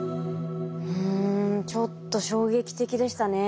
ちょっと衝撃的でしたね。